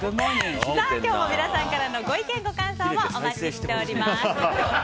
今日も皆様からのご意見ご感想をお待ちしております。